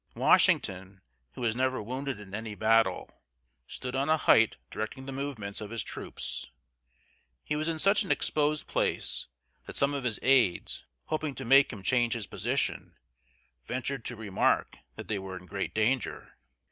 Washington, who was never wounded in any battle, stood on a height directing the movements of his troops. He was in such an exposed place that some of his aids, hoping to make him change his position, ventured to remark that they were in great danger.